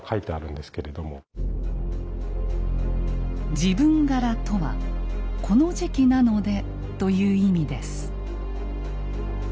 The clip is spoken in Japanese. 「時分柄」とは「この時期なので」という意味です。